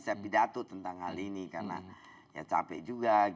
saya bidato tentang hal ini karena capek juga